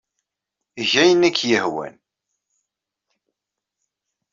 Eg ayen ay ak-yehwan!